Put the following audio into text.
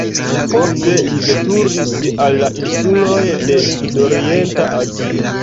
Poste li veturis al la insuloj de Sudorienta Azio.